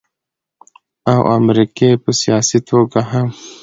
او امريکې په سياسي توګه هم